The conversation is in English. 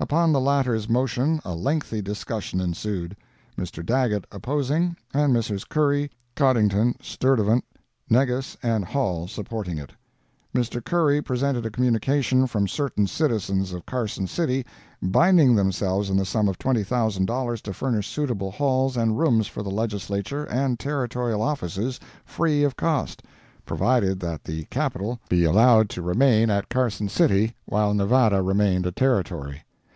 Upon the latter's motion a lengthy discussion ensued. Mr. Daggett opposing, and Messrs. Curry, Coddington, Sturtevant, Negus and Hall supporting it. Mr. Curry presented a communication from certain citizens of Carson City, binding themselves in the sum of $20,000, to furnish suitable halls and rooms for the Legislature and Territorial offices free of cost, provided that the Capital be allowed to remain at Carson City, while Nevada remained a Territory.